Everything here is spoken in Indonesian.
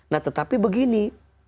nah tetapi begini